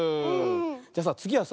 じゃあさつぎはさ